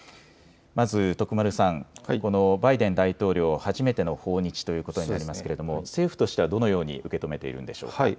まず徳丸さん、バイデン大統領、初めての訪日ということになりますが政府としてはどのように受け止めているんでしょうか。